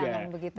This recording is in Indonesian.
jangan begitu ya